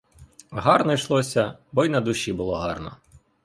Гарно йшлося, бо й на душі було гарно.